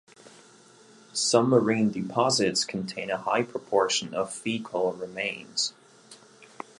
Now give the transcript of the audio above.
Some marine deposits contain a high proportion of fecal remains.